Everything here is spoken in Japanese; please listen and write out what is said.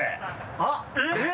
あっえっ？